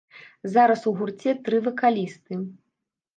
Зараз ў гурце тры вакалісты.